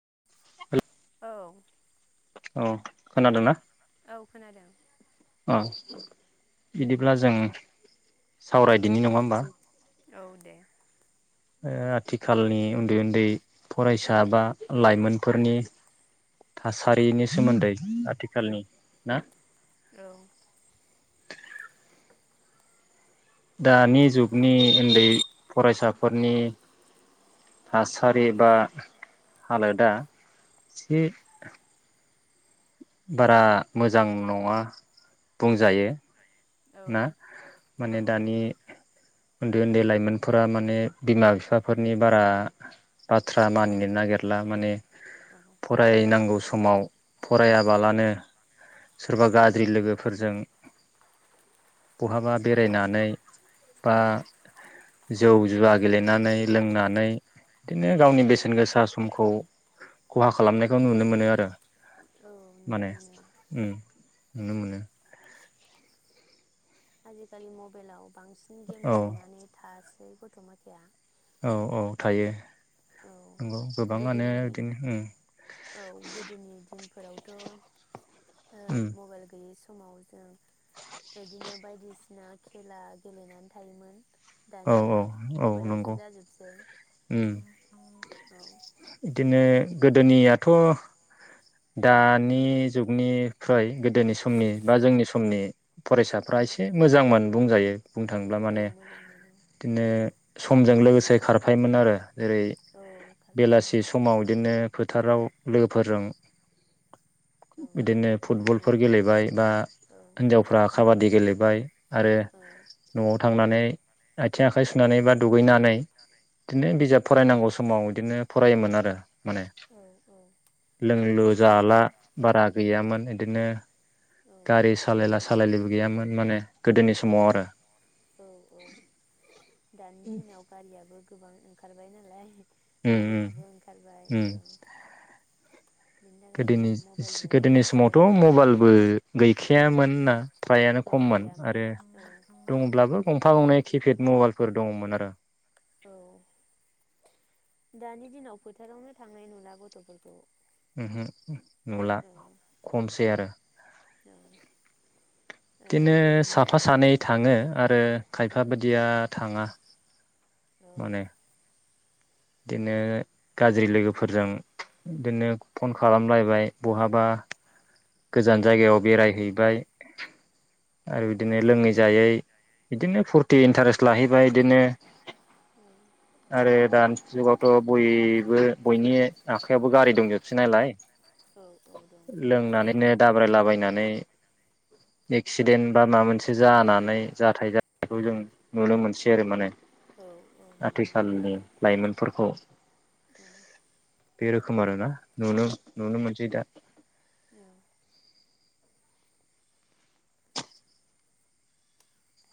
[unintelligible] औ औ खोनादोंना? औ खोनादों। अ बिदिब्ला जों सावरायदिनि नङा होमबा? औ दे। ओ आथिखालनि उन्दै उन्दै फरायसा बा लाइमोनफोरनि थासारिनि सोमोन्दै आथिखालनि ना? औ। दानि जुग नि उन्दै फरायसा न'खरनि थासारि बा हालोदा से औ बारा मोजां नङा बुंजायो। औ ना औ माने दानि उन्दै उन्दै लाइमोनफोरा माने बिमा बिफाफोरनि बारा बाथ्रा खोथाम मानिनो औ नागिरला औ माने फरायनांगौस समाव फरायाबालानो औ सोरबा गाज्रि लोगोफोरजों बहाबा बेरायनानै बा औ जौ जुवा गेलेनानै लोंनानै बिदिनो नुनो गावनि मोनो बेसेन गोसा समखौ खहा खालामनायखौ नुनो मोनो आरो। औ नुनो माने मोनो। उम नुनो मोनो। आजिखालि मबाइलाव बांसिन गेम औ गेलेनानै थास ऐ गथ' मानसिया औ औ थायो। औ नंगौ गोबाङानो गोदोनि बिदिनो उम औ गोदोनि दिनफोरावथ' ओ उम मबाइल गैयै स समाव जों बेबायदिनो बायदिसिना खेला गेलेनानै थायोमोन। औ दानिया औ औ मबाइलावसो नंगौ जाजोबसै। औ इदिनो गोदोनि नियाथ' दानि जुगनिफ्राय गोदोनि समनि बा जोंनि समनि औ फरायसाफ्रा एसे मोजां मोन। बुंजायो। बुंनो थाङोब्ला औ माने मोजां मोनो बिदिनो समजों लोगोसे खारफायोमोन आरो। जेरै औ बेलासि खारफायोमोन समाव इदिनो फोथ थाराव लोगोफोरजों औ बिदिनो गेले फुटबलफोर गेलेबाय बा औ हिनजावफ्रा खाबादि गेलेबाय आरो औ नआव थांनानै आइथिं आखाइ सुनानै बा दुगैनानै बिदिनो औ बिजाब फरायनांगौ समाव बिदिनो फरायोमोन आरो माने औ लोंलु जाला बारा गैयामोन इदिनो औ गारि सालायला सालायलिबो गैयामोन माने गोदोनि नि समाव आरो औ औ दानि दिनाव गारियाबो गोबां खारबाय नालाय उम उम मबाइलाबो ओंखारबाय औ बिनि थाखायनो मबाइलजोंनो गोदोनि-गोदोनि थासै समावथ मबाइलबो गैखायामोन ना फ्रायानो औ खममोन गैयामोन आरो औ दंङब्लाबो गंफा गंनै किपेड मबाइल फोर दङमोन आरो औ दानि दिनाव फोथारावनो थांनाय नुला गथफोरखौ ओमहो नुला औ खमसै आरो। औ ओ बिदिनो गोदोनि बायदि औ साफा सानै थाङो आरो खायफा बायदिया थाङा माने बिदिनो गाज्रि लोगोफोरजों बिदिनो फन खालामलायबाय बहाबा गोजान जायगायाव बेरायहैबाय आरो औ बिदिनो लोङै जायै बिदिनो फुरथि इन्टारेस्ट लाहैबाय बिदिनो औ आरो दानि जुगावथ बयबो बयनि आखाइयावबो गारि दंजोबसै नालाय औ दं लोंनानै बिदिनो दाब्रायलाबायनानै एक्सिडेन्ट बा माबा मोनसे जानानै जाथाय जखौ जों नुनो मोनसै आरो माने औ औ नुयो औ आथिखालनि लाइमोनफोरखौ औ बे रोखोम आरोना आरो नुनो मोनसै दा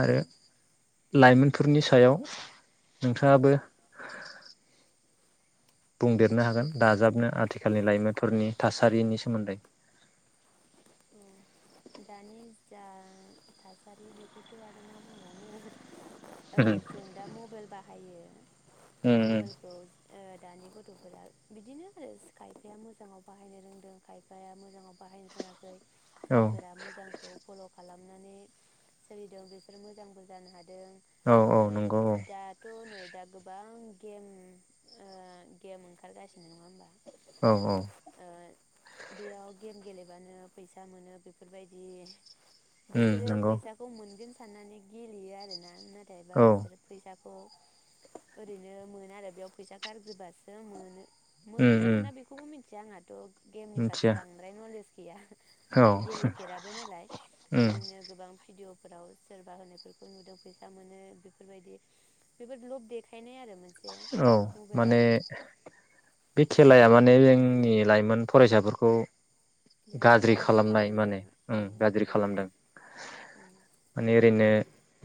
आरो लाइमोनफोरनि सायाव नोंथाङाबो बुंदेरनो हागोन दाजाबनो आथिखालनि लाइमोनफोरनि थासारिनि सोमोन्दै दानि जा थासारि बेखौथ आरो मा बुंबावनो ओ जों दा मबाइल बाहायो उम मबाइलखौ ओ दानि गथ'फोरा बिदिनो आरो खायफाया मोजाङाव बाहायनो रोंदों खायफाया मोजाङाव बाहायनो रोङाखै उम औ जायफोरा मोजांखौ फल' खालाम माने सोलिदों बिसोर मोजांबो जानो हा औ औ नंगौ औ नै दा गोबां गेम ओ गेम ओंखारगासिनो नङा होमबा औ औ ओ बेयाव गेम गेलेबानो फैसा मोनो बेफोरबायदि उम बिसोरो नंगौ फैसाखौ मोनगोन साननानै गेलेयो आरोना ना थायबा औ बिसोर फैसा थ ओरैनो मोना आरो बेयाव फैसा गारग्रोबासो मोनो। उम मोनोना उम मोना बेखौबो मिन थिया आंहाथ' गेमनि फारसे मिथिया बांद्राय नलेज गैया औ आं गेलेफेराबो नालाय उम बिदिनो गोबां भिडिअ फोराव सोरबा होनायफोरखौ नुदों फैसा मोनो बेफोरबायदि बेफोर लब देखायनाय आरो मोन औ माने बे खेलाया माने जोंनि लाइमोन फरायसाफोरखौ बिराद गाज्रि खालामनाय माने खालामदों ओम औ गाज्रि औ खालामदों उम माने ओरैनो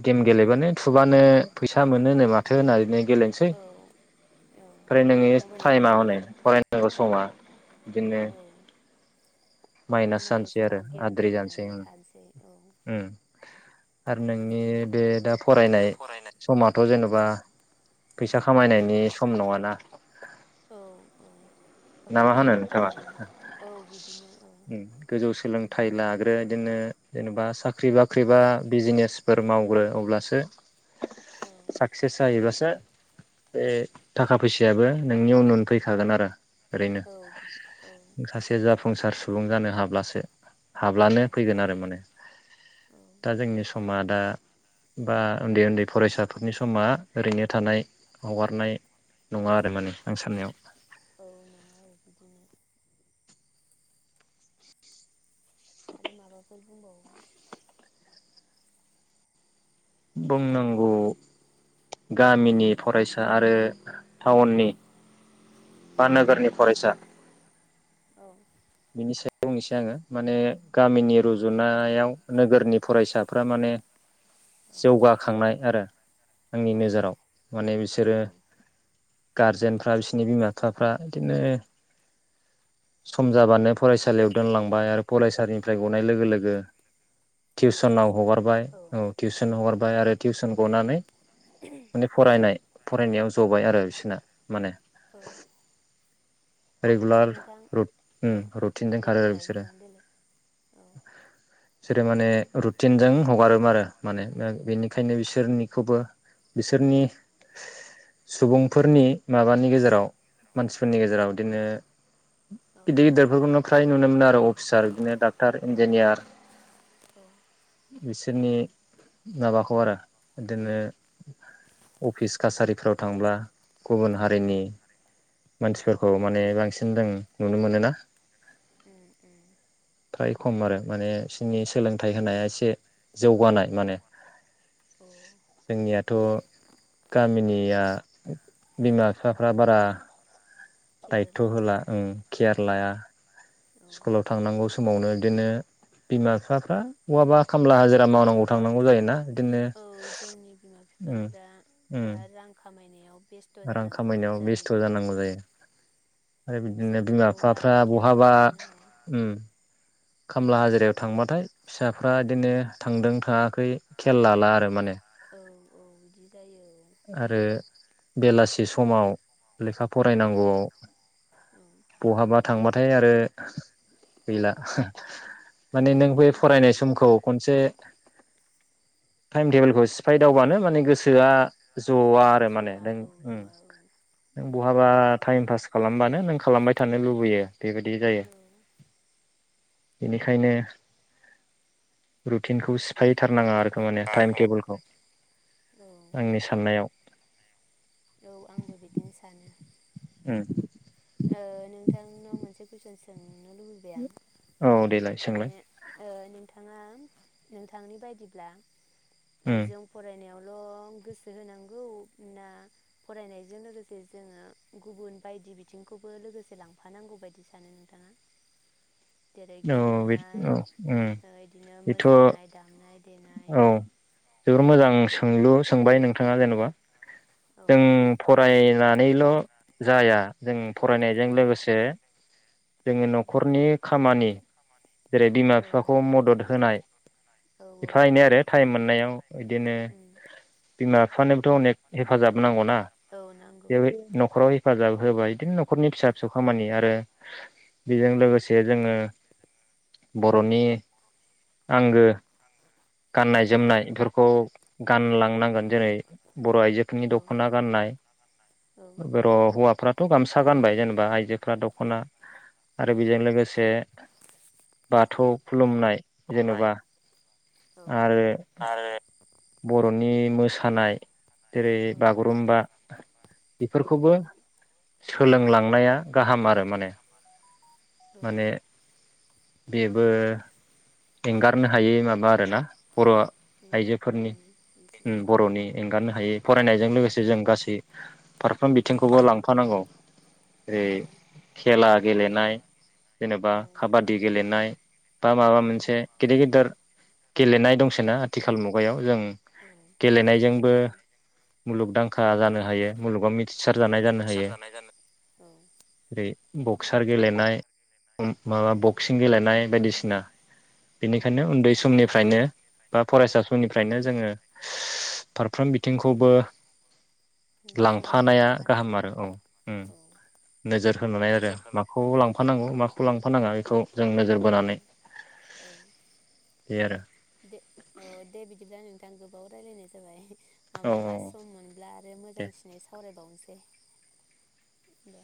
गेम गेलेबानो थुबानो फैसा मोनो होननाय माथो होननानो गेलेनोसै औ औ ओमफ्राय नोंनि टाइमा मबाइलावनो हनै फरायनांगौ औ समा बिदिनो औ माइनास फरायनांगौ जानोसै आरो समाव गेम आद्रि जानोसै गेलेनानै उम थानोसै औ उम आरो नोंनि बे दा फरायनाय समाथ' जेने बा फैसा खामायनायनि सम नङाना औ औ ना मा फरायनाय होनो समाव नोंथाङा फरायनांगौ औ बिदिनो औ ओम गोजौ सोलों थाइ लाग्रो बिदिनो जेनेबा साख्रि बाख्रि बा बिजनेसफोर मावग्रो अब्लासो औ साक्सेस जाहैबासो बे थाखा फैसायाबो नोंनि उन उन फैखागोन आरो ओरैनो औ बिदि औ सासे जाफुंसार सुबुं जानो हाब्लासो औ हाब्लानो फैगोन आरो माने औ दा जोंनि समा दा बा उन्दै उन्दै फरायसाफोरनि समा ओरैनो थानाय हगारनाय नङा आरो माने आं साननायाव औ नङा औ बिदिनो आरो माबाफोर बुंबावो। बुंनांगौ गामिनि फरायसा आरो टाउननि बा औ नोगोरनि फरायसा औ बिनि सायाव बुंनोसै आङो माने औ गामिनि दे रुजुनायाव नोगोरनि फरायसाफ्रा माने औ जौगाखांनाय आरो आंनि औ नोजोराव माने औ बिसोरो औ गारजेनफ्रा बिसिरनि बिमा बिफाफ्रा बिदिनो सम मानो फरायसालियाव दोनलांबाय आरो फरायसालिनिफ्राय गनाय लोगो लोगो औ थिउसनाव टिउसन हगारबाय औ थिउसन हगारबाय आरो टिउसन गनानै माने फरायनाय फरायनायाव ज'बाय आरो बिसोरना माने औ रेगुलार नोंथां रु औ उम्म रुथिनदों दे खारो आरो बुंलाय बिसोरो। नोंथां देलाय औ बिसोरो माने रुटिनजों हगारोम आरो माने बेनिखायनो बिसोरनिखौबो बिसोरनि सुबुंफोरनि माबानि गेजेराव मानसिफोरनि गेजेराव बिदिनो गिदिर औ गिदिरफोरखौनो फ्राय नुनो मोनो आरो अफिसार बिदिनो डाक्टार इन्जिनियार औ बिसोरनि माबाखौ आरो बिदिनो अफिस कासारिफोराव थांब्ला गुबुन औ उम हारिनि मानसिफोरखौ माने बांसिन दों नुनो मोनो ना उम थाय खम आरो माने बिसनि सोलोंथाइ होनाया एसे जौगानाय। माने औ जोंनियाथ' गामिनिया बिमा बिफाफ्रा बारा केयार दायथ' लाया होला ओं। औ लाया औ स्कुलाव थांनांगौ समावनो इदिनो बिमा बिफाफ्रा खामला हाजिरा मावनांगौ थांनांगौ जायोना बिदिनो औ जोंनि बिमा उम्म बिफाफ्रा उम्म दा रां खामायनायाव बेस्थ' रां जानांगौ ना खामायनायाव बेस्थ' जायोना औ जानांगौ जायो आरो बिदिनो बिमा फिसाफोरखौ बिफाफ्रा बारा केयार बहाबा खालामनो हाया उम औ खामला हाजिरायाव थांबाथाय फिसाफ्रा बिदिनो थांदों थाङाखै खेल लाला आरो माने औ औ औ बिदि जायो औ आरो नंगौ। [unintelligible] समाव लेखा फरायनांगौआव औ बहाबा थांबा थाय आरो गैला। माने नों बे फरायनाय समखौ खनसे थाइम टेबोलखौ सिफायदावबानो माने गोसोआ ज'वा आरो माने जौवा औ नों उम्म जौवा औ नों उम बहाबा टाइम पास खालामबानो नों खालामबाय थानो लुबैयो बेबायदि जायो। औ बेनिखायनो रुटिनखौ सिफायथारनाङा आरो बे माने टाइम टेबोलखौ औ आंनि साननायाव औ आंबो बिदिनो सानो। ओं। थांनाव मोनसे कुइसन सों औ देलाय सोंलाय। माने नोंथाङा नोंथांनि बायदिब्ला उम जों फरायनायाव ल गोसोहोनांगै ना फरायजों लोगोसे जोङो गुबुन बायदि बिथिं बिथिंखौबो लोगोसे लांफानांगौ बायदि सानो नोंथाङा? जेरै औ बे गेलेनाय औ उम ओ इदिनो बेथ' मोसानाय दामनाय देनाय औ जोबोर मोजां औ बेफोर सोंलु सोंबाय नोंथाङा जेन'बा औ जों फरायनानैल' जाया जों फरायनायजों लोगोसे जोङो औ न'खरनि खामानि जेरै बिमा औ बिफाखौ मदद औ होनाय औ औ एफा एनै आरो टाइम मोननायाव उम इदिनो उम बिमा [unintelligible] हेफाजाब नांगौ ना औ नांगौ औ बे न'खराव हेफाजाब होबाय बिदिनो न'खरनि फिसा फिसौ खामानि आरो उम बेजों लोगोसे जोङो बर'नि आंगो औ गाननाय जोमनाय इफोरखौ गानलांनांगोन जेरै बर' आइजोफोरनि औ दख'ना गाननाय औ औ बर'हौवाफ्रा थ' गामसा गानबाय जेनेबा आइजोफ्रा दख'ना आरो बेजों लोगोसे बाथौ खुलुमनाय जेनबा औ आरो आरो बर'नि मोसानाय जेरै बागुरुम्बा बेफोरखौबो सोलोंलांनाया गाहाम आरो माने माने उम बेबो हेंगाद हायै माबा आरो ना बर' आइजोफोरनि बर'नि मोनसे उम औ बर'नि एंगारनो हायै फरायनायजों लोगोसे जों गासै फारफ्रोम बिथिंखौबो लांफानांगौ ओरै औ खेला गेलेनाय जेनेबा औ खाबादि गेलेनाय बा माबा औ मोनसे गिदिर गिदिर गेलेनाय दंसै ना आथिखाल मुगायाव जों गोबां दङ गेलेनायजोंबो मुलुगदांखा जानो हायो मुलुगाव मिथिस सार जानाय जानो हायो सारजानाय जानो औ जेरै बक्सार गेलेनाय माबा औ बक्सिं गेलेनाय बायदिसिना औ बेनिखायनो दङ उन्दै गोबां दं समनिफ्रायनो बा फरायसा समनिफ्रायनो जोङो फ्राम बिथिंखौबो समानै लांफानाया गाहाम लांफानांगौ आरो औ उ औ नोजोर होनानै आरो माखौ लांफ औ माखौ लांफानाङा इखौ औ औ बे आरो दे औ दे बिदिब्ला नोंथां। आं गोबाव रायलायनाय जाबाय। औ माब्लाबा औ सम मोनब्ला आरो दे मोजांसिनै सावरायबावनोसै। दे दे